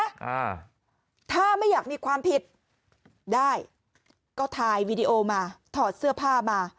อ่าถ้าไม่อยากมีความผิดได้ก็ถ่ายวีดีโอมาถอดเสื้อผ้ามา